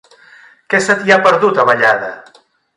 Què se t'hi ha perdut, a Vallada?